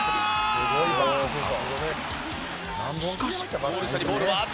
しかし。